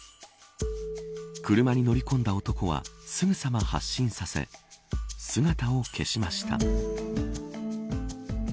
車に乗り込んだ男はすぐさま発進させ姿を消しました。